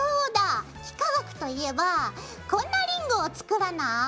幾何学といえばこんなリングを作らない？